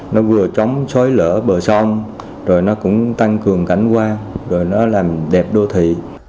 nó vừa chống xói lỡ bờ sông rồi nó cũng tăng cường cảnh quan rồi nó làm đẹp đô thị